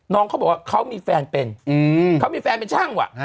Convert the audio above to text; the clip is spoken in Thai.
เขาบอกว่าเขามีแฟนเป็นเขามีแฟนเป็นช่างว่ะ